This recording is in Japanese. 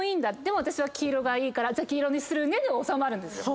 でも私は黄色がいいから黄色にするねでおさまるんですよ。